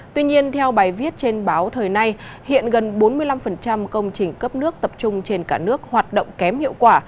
tuy nhiên theo bài viết trên báo thời nay hiện gần bốn mươi năm công trình cấp nước tập trung trên cả nước hoạt động kém hiệu quả